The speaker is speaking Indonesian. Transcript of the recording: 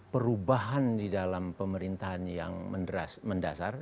perubahan di dalam pemerintahan yang mendasar